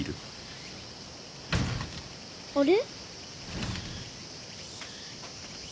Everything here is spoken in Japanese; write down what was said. あれ？